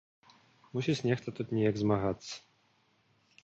Мусіць нехта тут неяк змагацца.